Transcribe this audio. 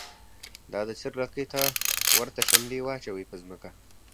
دا د چر ګ لکۍ ته ورته شملی واچوی په ځمکه